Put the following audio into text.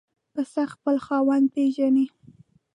پسه خپل خاوند پېژني.